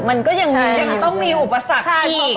มันก็ยังต้องมีอุปสรรคอีก